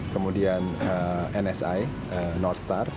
kemudian nsi northstar